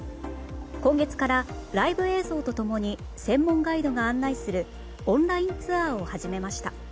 今月からライブ映像と共に専門ガイドが案内するオンラインツアーを始めました。